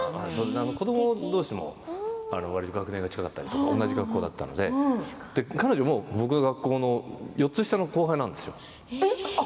子どもどうしも学年が近かったり同じ学校なので彼女も、僕の学校の４つ下の後輩なんですよ。